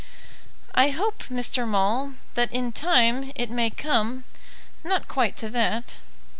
"I hope, Mr. Maule, that in time it may come not quite to that."